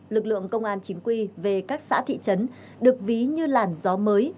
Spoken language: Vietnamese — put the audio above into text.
lực lượng công an chính quy về các xã thị trấn được ví như làn gió mới